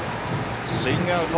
スイングアウト。